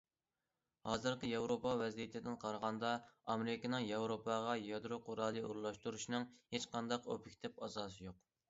ھازىرقى ياۋروپا ۋەزىيىتىدىن قارىغاندا، ئامېرىكىنىڭ ياۋروپاغا يادرو قورالى ئورۇنلاشتۇرۇشىنىڭ ھېچقانداق ئوبيېكتىپ ئاساسى يوق.